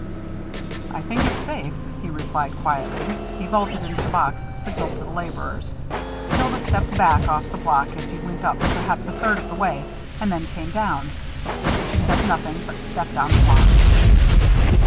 "I think it's safe," he replied quietly. He vaulted into the box and signalled to the laborers. Hilda stepped back off the block as he went up perhaps a third of the way, and then came down. She said nothing, but stepped on the block.